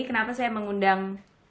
kenapa saya mengundang